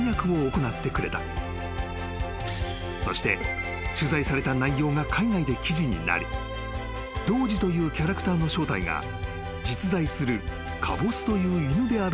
［そして取材された内容が海外で記事になりＤＯＧＥというキャラクターの正体が実在するかぼすという犬であると紹介された］